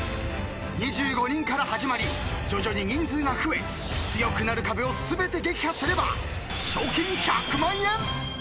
［２５人から始まり徐々に人数が増え強くなる壁を全て撃破すれば賞金１００万円］